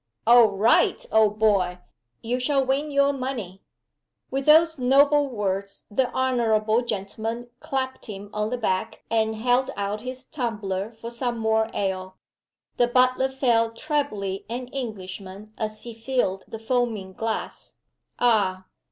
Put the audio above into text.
"All right, old boy! you shall win your money!" With those noble words the honorable gentleman clapped him on the back, and held out his tumbler for some more ale. The butler felt trebly an Englishman as he filled the foaming glass. Ah!